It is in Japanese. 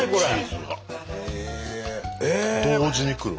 同時に来る。